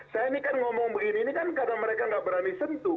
saya ini kan ngomong begini ini kan karena mereka nggak berani sentuh